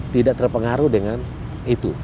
tidak terpengaruh dengan itu